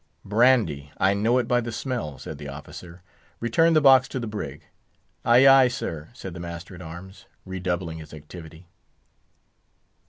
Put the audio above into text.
"Brandy; I know it by the smell," said the officer; "return the box to the brig." "Ay, ay, sir," said the master at arms, redoubling his activity.